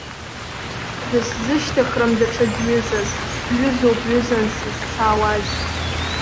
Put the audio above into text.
Дысзышьҭыхрым даҽаӡә ҩызас, дҩызоуп ҩызан сызцаауаз.